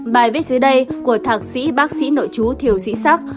bài viết dưới đây của thạc sĩ bác sĩ nội chú thiều sĩ sắc